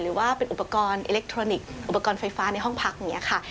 หรือว่าเป็นอุปกรณ์อิเล็กทรอนิกส์อุปกรณ์ไฟฟ้าในห้องพักอย่างนี้ค่ะ